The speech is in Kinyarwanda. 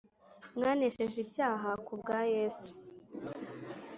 mwanesheje ibyaha kubwa yesu